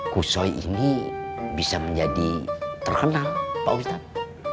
kusoi ini bisa menjadi terkenal pak ustadz